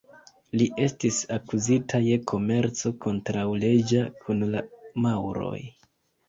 Li estis akuzita je komerco kontraŭleĝa kun la maŭroj.